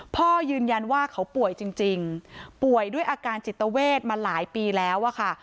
พ่อยืนยันว่าเขาป่วยจริงป่วยด้วยอาการจิตเวทมาหลายปีแล้วอะค่ะ